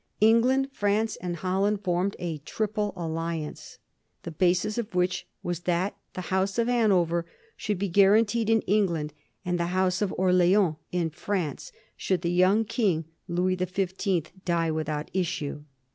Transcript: Eng land, France, and Holland formed a triple alliance, the basis of which was that the House of Hanover should be guaranteed in England, and the House of Orleans in France, should the young King, Louis the Fifteenth, die without issue.